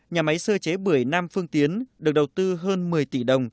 nhà máy sơ chế bưởi nam phương tiến được đầu tư hơn một mươi tỷ đồng